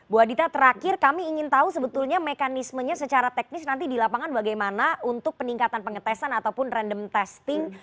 bu adita terakhir kami ingin tahu sebetulnya mekanismenya secara teknis nanti di lapangan bagaimana untuk peningkatan pengetesan ataupun random testing